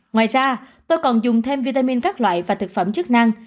ngoài ra tôi còn dùng thêm vitamin các loại và thực phẩm chức năng